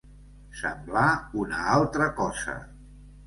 Semblar una altra cosa.